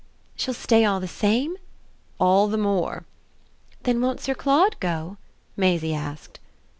"She'll stay all the same?" "All the more." "Then won't Sir Claude go?" Maisie asked.